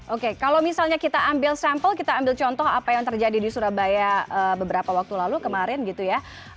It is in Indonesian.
oke kalau misalnya kita ambil sampel kita ambil contoh apa yang terjadi di surabaya beberapa waktu lalu kemarin gitu ya